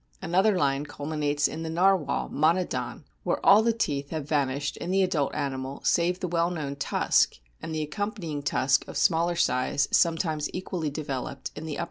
Another line culminates in the Narwhal, Mono don, where all the teeth have vanished in the adult animal save the well known tusk, and an accompanying tusk of smaller size, some times equally developed, in the upper jaw ; in this FIG. 16.